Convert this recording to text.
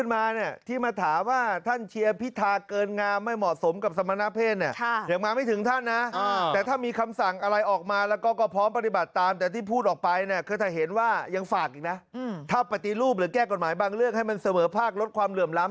ไม่ใช่งดเล่าเข้าภาษานะงดให้สัมภาษณ์ถูกต้องค่ะ